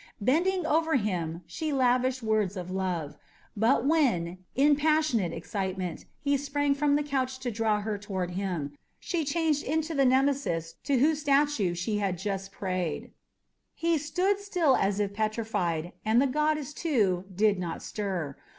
Bending over him, she lavished words of love; but when, in passionate excitement, he sprang from the couch to draw her toward him, she changed into the Nemesis to whose statue she had just prayed. He stood still as if petrified, and the goddess, too, did not stir.